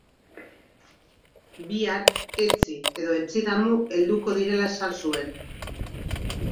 Bihar, etzi edo etzidamu helduko direla esan zuen.